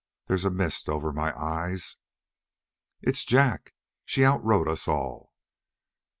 There's a mist over my eyes." "It's Jack. She outrode us all."